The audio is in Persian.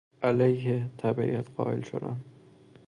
علیه... تبعیت قائل شدن